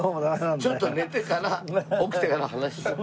ちょっと寝てから起きてから話します。